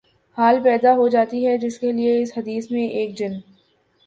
حال پیدا ہو جاتی ہے جس کے لیے اس حدیث میں ایک جن